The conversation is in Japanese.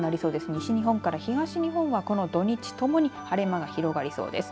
西日本から東日本は、この土日ともに晴れ間が広がりそうです。